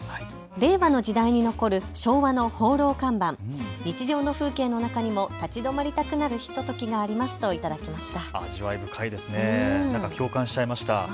令和の時代に残る昭和のホーロー看板、日常の風景の中にも立ち止まりたくなるひとときがありますと頂きました。